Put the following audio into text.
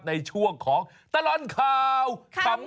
ในช่วงของตลอดข่าวขำ